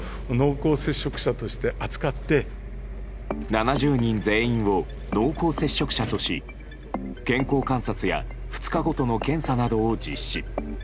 ７０人全員を濃厚接触者とし健康観察や２日ごとの検査などを実施。